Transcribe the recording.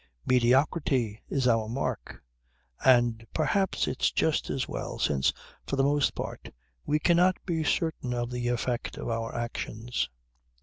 Mediocrity is our mark. And perhaps it's just as well, since, for the most part, we cannot be certain of the effect of our actions."